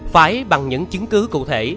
phải bằng những chứng cứ cụ thể